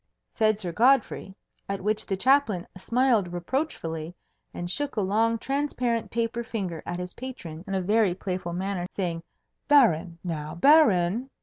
said Sir Godfrey; at which the Chaplain smiled reproachfully, and shook a long transparent taper finger at his patron in a very playful manner, saying, "Baron! now, Baron!"